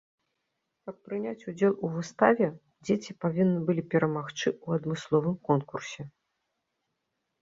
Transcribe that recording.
Каб прыняць удзел у выставе дзеці павінны былі перамагчы ў адмысловым конкурсе.